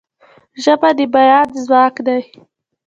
ژبه د بیان ځواک ده.